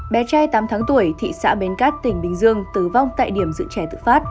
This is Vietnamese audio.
bé trai tám tháng tuổi thị xã bến cát tỉnh bình dương tử vong tại điểm dự trẻ tự phát